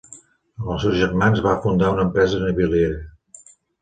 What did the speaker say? Amb els seus germans va fundar una empresa naviliera.